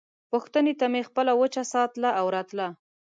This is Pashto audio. پوښتنې ته مې خپله وچه ساه تله او راتله.